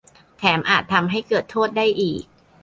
- แถมอาจทำให้เกิดโทษได้อีก